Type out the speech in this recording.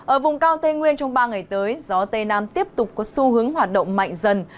ở vùng cao tây nguyên trong ba ngày tới gió tây nam tiếp tục có xu hướng hoạt động mạnh dần